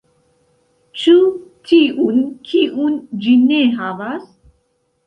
Ĉu tiun, kiun ĝi ne havas?